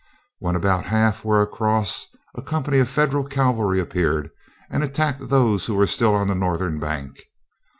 When about half were across a company of Federal cavalry appeared and attacked those who were still on the northern bank.